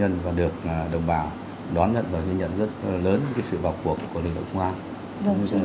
nhưng mà được đồng bào đón nhận và ghi nhận rất là lớn sự vào cuộc của lực lượng công an